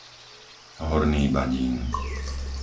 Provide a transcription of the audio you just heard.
Horný Badín